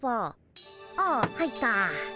ああ入った。